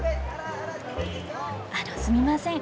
あのすみません。